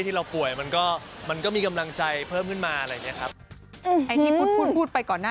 ดิฉันก็ไม่ค่อยได้ฟังเท่าไร